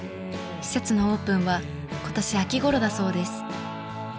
施設のオープンは今年秋ごろだそうです。